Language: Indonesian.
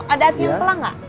ada ati ampela gak